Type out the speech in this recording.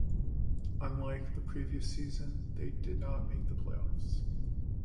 Unlike the previous season they did not make the play-offs.